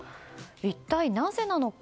一体なぜなのか。